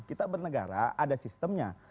kita bernegara ada sistemnya